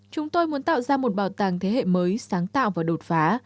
chúng tôi muốn tạo ra một bảo tàng thế hệ mới sáng tạo và đột phá